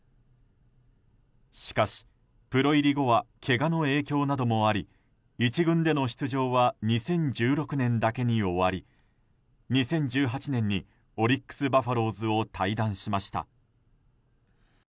しかし、プロ入り後はけがの影響もあり１軍での出場は２０１６年だけに終わり２０１８年にオリックス・バファローズを退団しました。